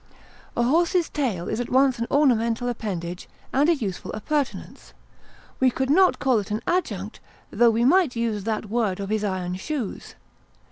A horse's tail is at once an ornamental appendage and a useful appurtenance; we could not call it an adjunct, tho we might use that word of his iron shoes.